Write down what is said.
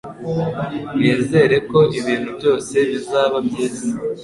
Nizera ko ibintu byose bizaba byiza.